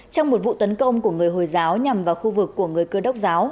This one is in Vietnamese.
trong một vụ tấn công của người hồi giáo nhằm vào khu vực của người cơ đốc giáo